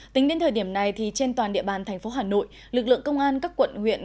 tính đến thời điểm này trên toàn địa bàn thành phố hà nội lực lượng công an các quận huyện